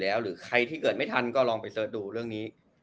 แล้วหรือใครที่เกิดไม่ทันก็ลองไปเสิร์ชดูเรื่องนี้